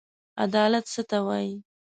عدالت څه ته وايي؟